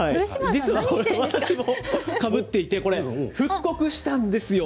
実は私もかぶっていて、これ、復刻したんですよ。